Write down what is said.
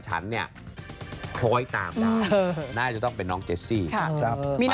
ต้นหอมเล่นเป็นเมียผม